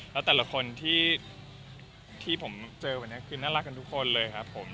แล้วแต่ละคนที่ผมเจอวันนี้คือน่ารักกันทุกคนเลยครับผม